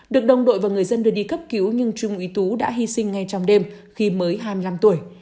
được đồng đội và người dân đưa đi cấp cứu nhưng trung úy tú đã hy sinh ngay trong đêm khi mới hai mươi năm tuổi